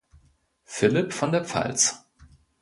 Philipp von der Pfalz.